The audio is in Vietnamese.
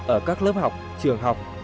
ở các lớp học trường học